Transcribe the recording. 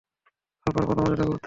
তারপরে পদমর্যাদা গুরুত্বপূর্ণ।